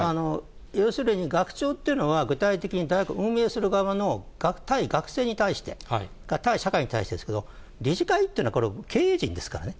要するに学長っていうのは、具体的に運営する側の対学生に対して、対社会に対してですけど、理事会っていうのは、これ、経営陣ですからね。